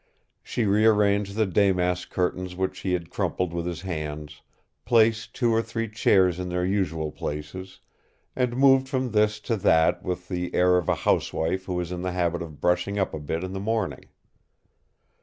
She rearranged the damask curtains which he had crumpled with his hands, placed two or three chairs in their usual places, and moved from this to that with the air of a housewife who is in the habit of brushing up a bit in the morning.